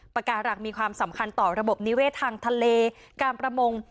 ปากการังมีความสำคัญต่อระบบนิเวศทางทะเลการประมง